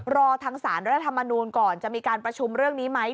รอทางสารรัฐธรรมนูลก่อนจะมีการประชุมเรื่องนี้ไหม